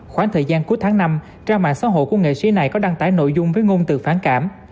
khoảng thời gian cuối tháng năm trang mạng xã hội của nghệ sĩ này có đăng tải nội dung với ngôn từ phản cảm